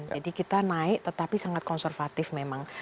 jadi kita naik tetapi sangat konservatif memang